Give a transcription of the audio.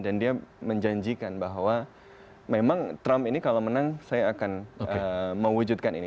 dan dia menjanjikan bahwa memang trump ini kalau menang saya akan mewujudkan ini